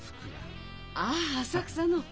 ああ浅草の。